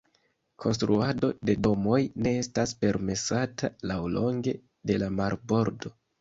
Konstruado de domoj ne estas permesata laŭlonge de la marbordo.